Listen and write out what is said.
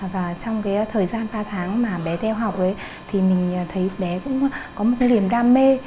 và trong cái thời gian ba tháng mà bé theo học thì mình thấy bé cũng có một cái niềm đam mê